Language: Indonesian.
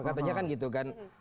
katanya kan gitu kan